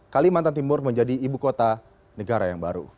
kalimantan timur menjadi ibu kota negara yang baru